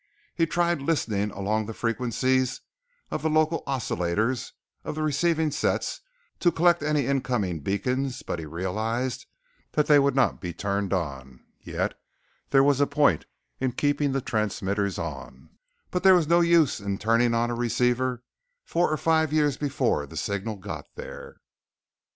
He tried listening along the frequencies of the local oscillators of the receiving sets set to collect any incoming beacons but he realized that they would not be turned on yet; there was a point in keeping the transmitters on, but there was no use in turning on a receiver four or five years before the signal got there.